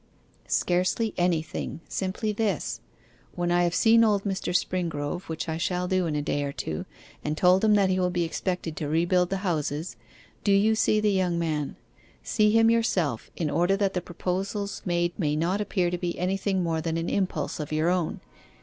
'Scarcely anything: simply this. When I have seen old Mr. Springrove, which I shall do in a day or two, and told him that he will be expected to rebuild the houses, do you see the young man. See him yourself, in order that the proposals made may not appear to be anything more than an impulse of your own.